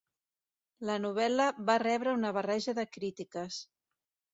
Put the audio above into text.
La novel·la va rebre una barreja de crítiques.